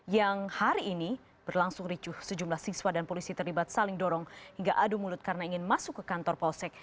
yang hari ini berlangsung ricuh sejumlah siswa dan polisi terlibat saling dorong hingga adu mulut karena ingin masuk ke kantor polsek